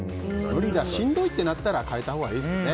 しんどいってなったら変えたほうがいいですよね。